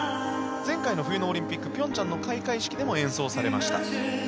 前回の冬のオリンピック平昌の開会式でも演奏されました。